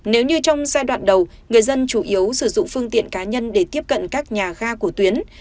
nếu như trong giai đoạn đầu người dân chủ yếu sử dụng phương tiện cá nhân để tiếp cận các nhà ga của tuyến